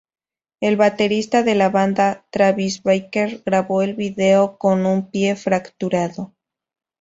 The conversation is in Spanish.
El baterista de la banda, Travis Barker, grabó el video con un pie fracturado.